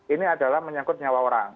ini adalah menyangkut nyawa orang